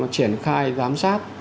triển khai giám sát